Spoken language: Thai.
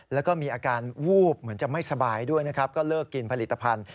แล้วก็มีอาการวูบเหมือนจะไม่สบายด้วยนะครับก็เลิกกินผลิตภัณฑ